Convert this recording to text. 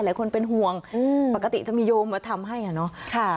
หลายคนเป็นห่วงปกติจะมีโยมมาทำให้อ่ะเนาะ